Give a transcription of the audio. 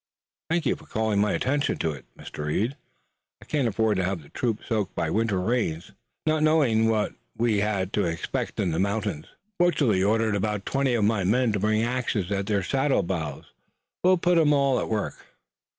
"Thank you for calling my attention to it, Mr. Reed. I can't afford to have the troops soaked by winter rains. Not knowing what we had to expect in the mountains I fortunately ordered about twenty of my own men to bring axes at their saddlebows. We'll put 'em all at work."